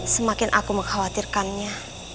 semakin aku mengkhawatirkannya